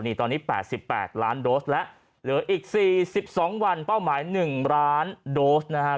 นี่ตอนนี้แปดสิบแปดล้านโดสและเหลืออีกสี่สิบสองวันเป้าหมายหนึ่งล้านโดสนะฮะ